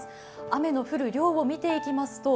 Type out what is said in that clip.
雨の降る量を見ていきますと